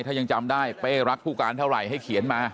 ถ้ายังจำได้เป้รักผู้การเท่าไหร่ให้เขียนมา